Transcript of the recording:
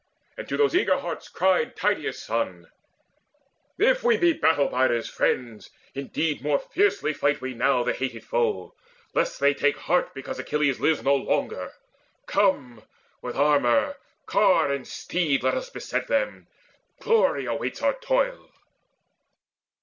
And to those eager hearts cried Tydeus' son: "If we be battle biders, friends, indeed, More fiercely fight we now the hated foe, Lest they take heart because Achilles lives No longer. Come, with armour, car, and steed Let us beset them. Glory waits our toil?"